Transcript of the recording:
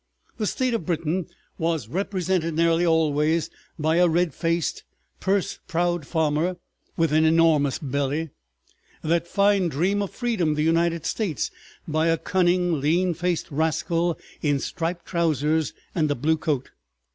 The state of Britain was represented nearly always by a red faced, purse proud farmer with an enormous belly, that fine dream of freedom, the United States, by a cunning, lean faced rascal in striped trousers and a blue coat.